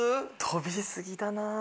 飛びすぎだな。